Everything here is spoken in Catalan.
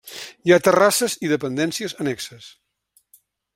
Hi ha terrasses i dependències annexes.